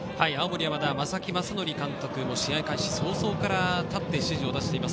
正木昌宣監督、試合開始早々から立って指示を出しています。